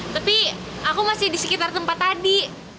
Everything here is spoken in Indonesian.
tapi aku masih di sekitar tempat tadi